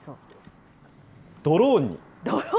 ドローンに。